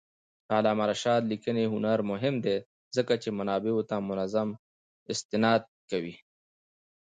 د علامه رشاد لیکنی هنر مهم دی ځکه چې منابعو ته منظم استناد کوي.